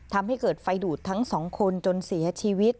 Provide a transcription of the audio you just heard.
ทำให้เกิดไฟดูดทั้งสองคนจนเสียชีวิต